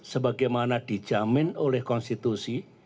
sebagaimana dijamin oleh konstitusi